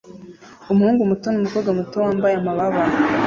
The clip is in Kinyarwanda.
umuhungu muto numukobwa muto wambaye amababa